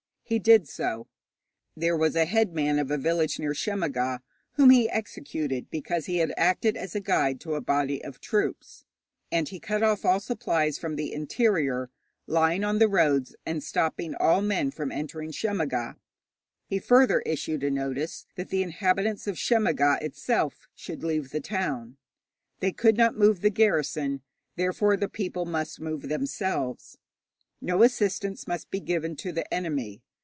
He did so. There was a head man of a village near Shemmaga whom he executed because he had acted as guide to a body of troops, and he cut off all supplies from the interior, lying on the roads, and stopping all men from entering Shemmaga. He further issued a notice that the inhabitants of Shemmaga itself should leave the town. They could not move the garrison, therefore the people must move themselves. No assistance must be given to the enemy.